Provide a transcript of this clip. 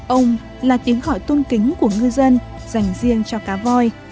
ông là tiếng gọi tôn kính của ngư dân dành riêng cho cá voi